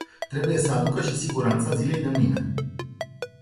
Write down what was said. Trebuie să aducă și siguranța zilei de mâine.